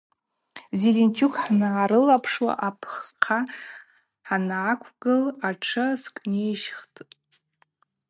Зеленчук хӏгӏарылапшуа апххъа хӏангӏаквгыл атшы скӏнищтхтӏ.